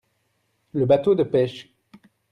Le bâteau de pêche.